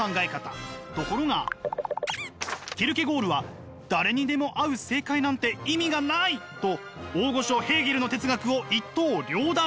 ところがキルケゴールは誰にでも合う正解なんて意味がない！と大御所ヘーゲルの哲学を一刀両断！